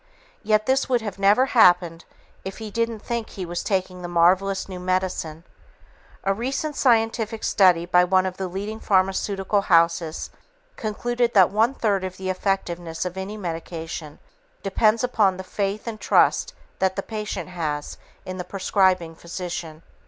Yet, this would never have happened if he didn't think he was taking the marvelous new medicine. A recent scientific study by one of the leading pharmaceutical houses concluded that one third of the effectiveness of any medication depends upon the faith and trust that the patient has in the prescribing physician.